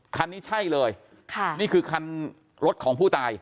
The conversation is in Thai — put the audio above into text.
คันนี้ใช่เลยค่ะนี่คือคันรถของผู้ตาย